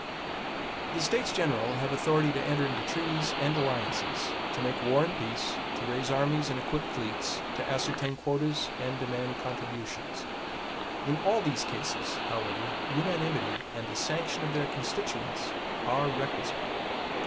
The States General have authority to enter into treaties and alliances; to make war and peace; to raise armies and equip fleets; to ascertain quotas and demand contributions. In all these cases, however, unanimity and the sanction of their constituents are requisite.